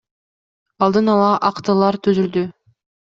Алдын ала актылар түзүлдү.